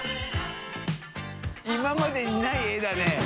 今までにない絵だね。